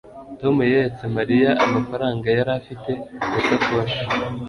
tom yeretse mariya amafaranga yari afite mu isakoshi